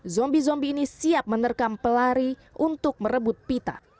zombie zombie ini siap menerkam pelari untuk merebut pita